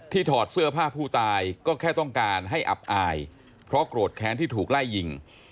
ถอดเสื้อผ้าผู้ตายก็แค่ต้องการให้อับอายเพราะโกรธแค้นที่ถูกไล่ยิง